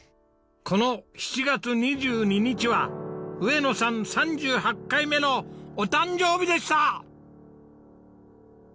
この７月２２日は上野さん３８回目のお誕生日でした！